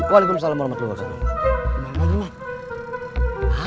waalaikumsalam warahmatullahi wabarakatuh